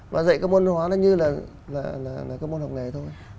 và dạy các môn văn hóa nó như là các môn học nghề thôi